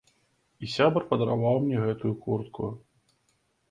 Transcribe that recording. І сябар падараваў мне гэтую куртку.